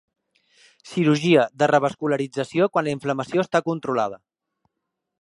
Cirurgia de revascularització quan la inflamació està controlada.